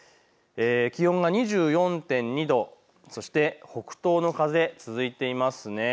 気温が２４．２度、そして北東の風、続いています。